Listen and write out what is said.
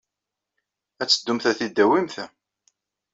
Ad teddumt ad t-id-tawyemt.